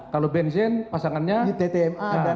kalau benzen pasangannya ttma